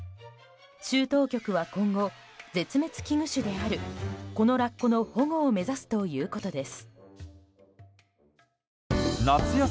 州当局は絶滅危惧種であるこのラッコの保護を目指すということです。